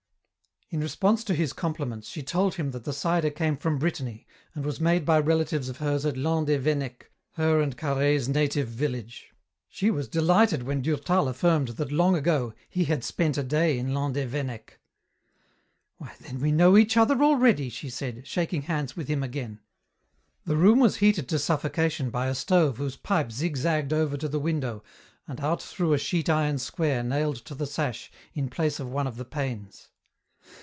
In response to his compliments she told him that the cider came from Brittany and was made by relatives of hers at Landévennec, her and Carhaix's native village. She was delighted when Durtal affirmed that long ago he had spent a day in Landévennec. "Why, then we know each other already!" she said, shaking hands with him again. The room was heated to suffocation by a stove whose pipe zigzagged over to the window and out through a sheet iron square nailed to the sash in place of one of the panes.